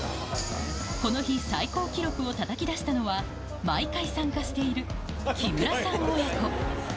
この日、最高記録をたたき出したのは、毎回参加している木村さん親子。